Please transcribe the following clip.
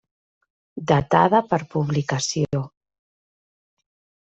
Datada per publicació.